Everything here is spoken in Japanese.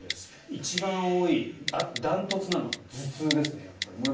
一番多い、断トツなのが頭痛ですね。